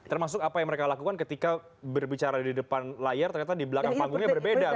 termasuk apa yang mereka lakukan ketika berbicara di depan layar ternyata di belakang panggungnya berbeda